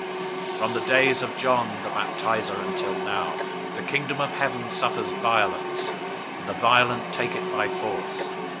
011:012 From the days of John the Baptizer until now, the Kingdom of Heaven suffers violence, and the violent take it by force.